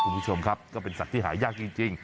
คุณผู้ชมครับก็เป็นสัตว์ที่หายากจริง